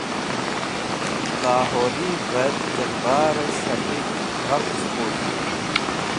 Lahori ver terbare S̃hapik Ghafch Khus̃h